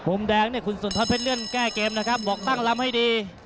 มแดงเนี่ยคุณสุนทรเพชรเลื่อนแก้เกมนะครับบอกตั้งลำให้ดี